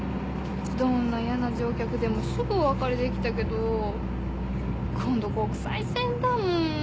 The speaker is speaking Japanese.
どんな嫌な乗客でもすぐお別れできたけど今度国際線だもーん。